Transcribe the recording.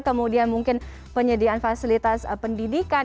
kemudian mungkin penyediaan fasilitas pendidikan